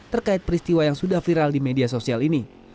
terkait peristiwa yang sudah viral di media sosial ini